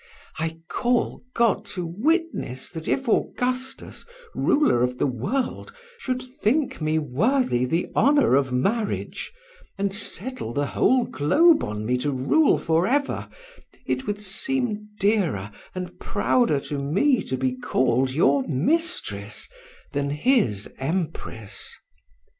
I call God to witness that if Augustus, ruler of the world, should think me worthy the honor of marriage, and settle the whole globe on me to rule forever, it would seem dearer and prouder to me to be called your mistress than his empress.